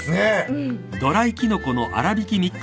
うん。